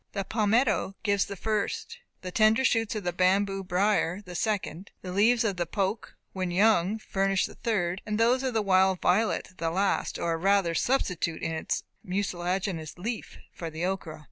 The palmetto gives the first, the tender shoots of the bamboo brier the second; the leaves of the poke, when young, furnish the third, and those of the wild violet the last, or rather a substitute in its mucilaginous leaf, for the okra.